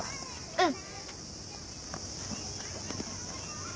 うん。